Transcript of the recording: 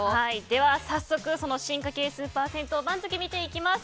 では、早速その進化系スーパー銭湯番付見ていきます。